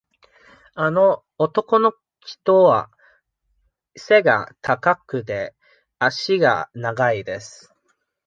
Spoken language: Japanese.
あの男の人は背が高くて、足が長いです。